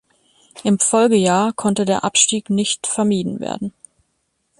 Im Folgejahr konnte der Abstieg nicht vermieden werden.